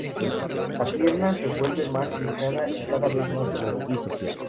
La pierna se vuelve más hinchada y cada vez más doloroso.